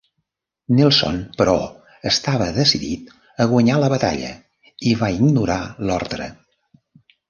Nelson, però, estava decidit a guanyar la batalla i va ignorar l'ordre.